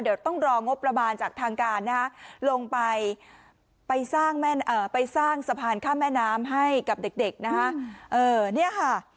เดี๋ยวต้องรองบประมาณจากทางการนะฮะลงไปสร้างสะพานข้ามแม่น้ำให้กับเด็กนะฮะ